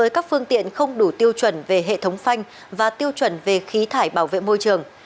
với các phương tiện không đủ tiêu chuẩn về hệ thống phanh và tiêu chuẩn về khí thải bảo vệ môi trường